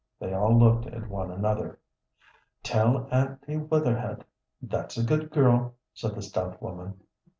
They all looked at one another. "Tell Aunty Wetherhed: that's a good girl," said the stout woman.